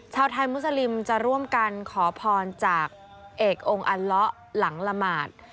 ชาวไทยมุสลิมจะร่วมกันขอพรจากเอกองค์อัลละหลังละหมาด